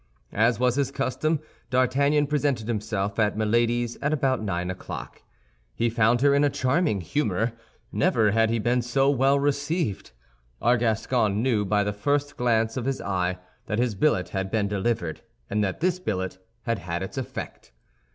As was his custom, D'Artagnan presented himself at Milady's at about nine o'clock. He found her in a charming humor. Never had he been so well received. Our Gascon knew, by the first glance of his eye, that his billet had been delivered, and that this billet had had its effect.